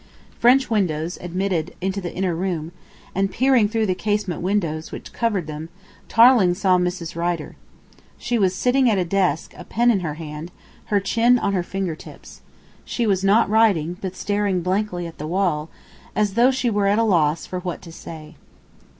French windows admitted to the inner room, and, peering through the casement curtains which covered them, Tarling saw Mrs. Rider. She was sitting at a desk, a pen in her hand, her chin on her finger tips. She was not writing, but staring blankly at the wall, as though she were at a loss for what to say.